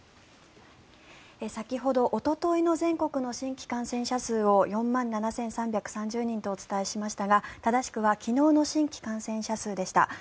先ほどおとといの全国の新規感染者を４万７３３０人とお伝えしましたが正しくは昨日の新規感染者数でした。